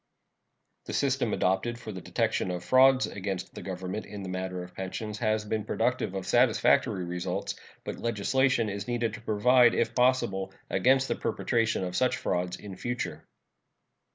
The system adopted for the detection of frauds against the Government in the matter of pensions has been productive of satisfactory results, but legislation is needed to provide, if possible, against the perpetration of such frauds in future.